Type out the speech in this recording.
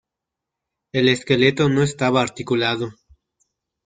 El esqueleto no estaba articulado.